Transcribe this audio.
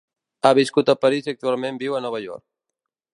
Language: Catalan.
Ha viscut a París i actualment viu a Nova York.